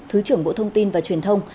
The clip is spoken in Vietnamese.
thứ trưởng bộ thông tin và truyền thông